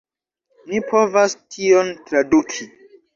Mi povas tion traduki